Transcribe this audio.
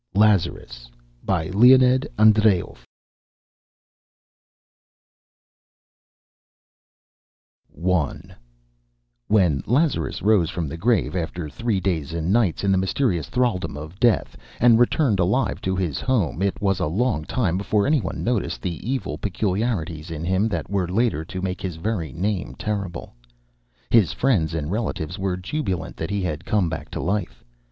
LAZARUS BY LEONID ANDREYEV I When Lazarus rose from the grave, after three days and nights in the mysterious thraldom of death, and returned alive to his home, it was a long time before any one noticed the evil peculiarities in him that were later to make his very name terrible. His friends and relatives were jubilant that he had come back to life.